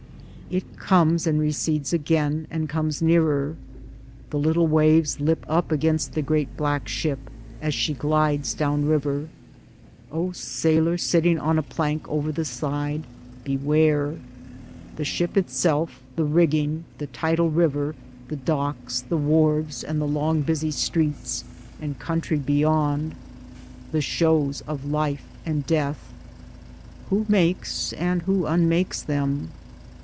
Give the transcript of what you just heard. It comes and recedes again, and comes nearer. The little waves lip up against the great black ship as she glides down river — 0 sailor sitting on a plank over the side, beware ! The ship itself, the rigging, the tidal river, the docks, the wharves, and long busy streets, and country beyond — the shows of life and death — Who makes and who unmakes them?